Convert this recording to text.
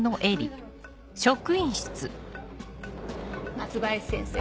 松林先生